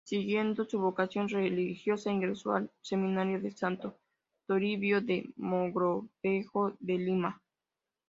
Siguiendo su vocación religiosa, ingresó al Seminario de Santo Toribio de Mogrovejo de Lima.